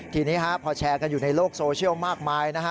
ทีนี้พอแชร์กันอยู่ในโลกโซเชียลมากมายนะฮะ